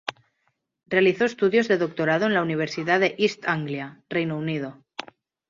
Realizó estudios de doctorado en la Universidad de East Anglia, Reino Unido.